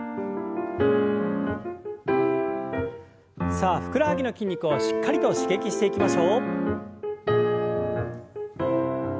さあふくらはぎの筋肉をしっかりと刺激していきましょう。